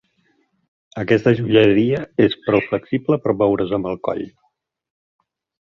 Aquesta joieria és prou flexible per moure's amb el coll.